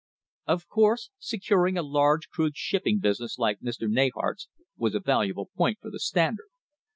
Of course securing a large crude shipping business like Mr. Neyhart's was a valuable point for the Standard.